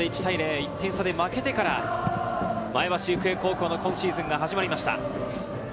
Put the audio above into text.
１点差で負けてから前橋育英高校の今シーズンが始まりました。